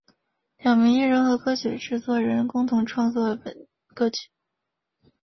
两名艺人和歌曲的制作人共同创作了本歌曲。